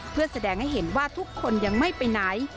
เพื่อแสดงให้เห็นว่าทุกคนยังไม่ไปไหน